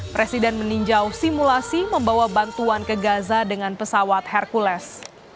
presiden meninjau simulasi membawa bantuan ke gaza dengan pesawat hercules